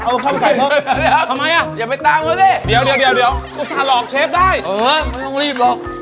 อุทธันหลอกเชฟได้เออไม่ต้องรีบหรอก